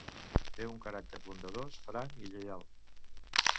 Té un caràcter bondadós, franc i lleial.